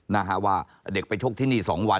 นะฮะว่าเด็กไปชกที่นี่สองวัน